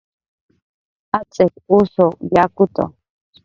Atz'ik usuw yakutu